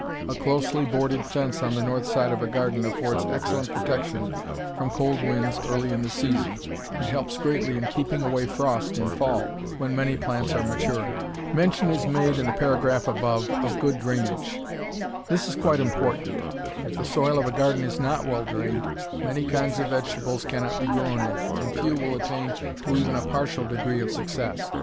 A closely boarded fence on the north side of a garden affords excellent protection from cold winds early in the season, and helps greatly in keeping away frost in fall, when many plants are maturing. Mention is made in the above paragraph of good drainage. This is quite important. If the soil of a garden is not well drained, many kinds of vegetables cannot be grown in it, and few will attain to even a partial degree of success.